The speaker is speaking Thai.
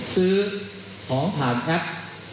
ซื้อของผ่านแอป